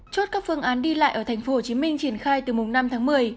chốt các phương án đi lại ở tp hcm triển khai từ mùng năm tháng một mươi